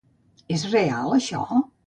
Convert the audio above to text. És real això?